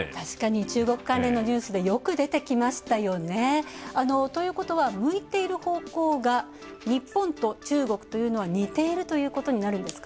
中国関連のニュースでよく出てきましたね。ということは、向いている方向が日本の中国が似ているということですか？